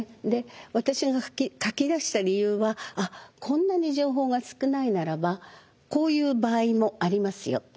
で私が書き出した理由はあっこんなに情報が少ないならばこういう場合もありますよ。